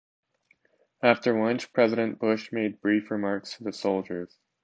After lunch, President Bush made brief remarks to the soldiers.